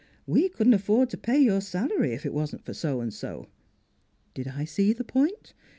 We couldn't afford to pay your salary NEIGHBORS 231 if it wasn't for So an' so.' Did I see the point?